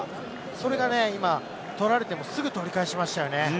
それが今、取られてもすぐ取り返しましたよね。